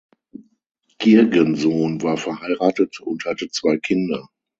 Girgensohn war verheiratet und hatte zwei Kinder.